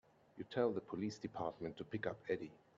You tell the police department to pick up Eddie.